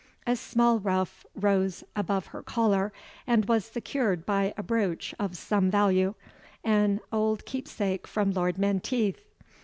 A small ruff rose above her collar, and was secured by a brooch of some value, an old keepsake from Lord Menteith.